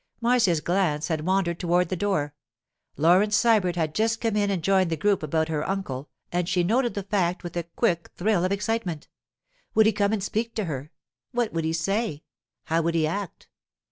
Marcia's glance had wandered toward the door. Laurence Sybert had just come in and joined the group about her uncle, and she noted the fact with a quick thrill of excitement. Would he come and speak to her? What would he say? How would he act?